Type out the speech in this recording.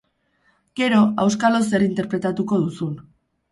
Gero, auskalo zer interpretatuko duzun.